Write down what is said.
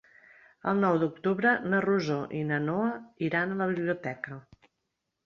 El nou d'octubre na Rosó i na Noa iran a la biblioteca.